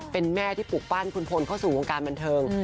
เป็นแม่ที่ปลูกปั้นคุณพลเข้าสู่วงการบันเทิง